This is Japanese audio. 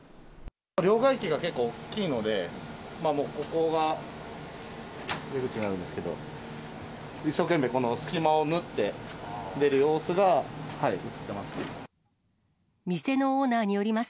両替機が結構大きいので、ここが出口になるんですけど、一生懸命、この隙間を縫って出る様子が写ってます。